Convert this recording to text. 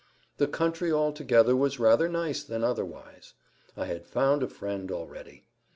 The country altogether was rather nice than otherwise. I had found a friend already!